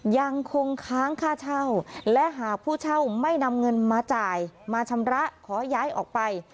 ยังคงค้างค่าเช่าและหากผู้เช่าไม่นำเงินมาจ่ายมาชำระขอย้ายออกไป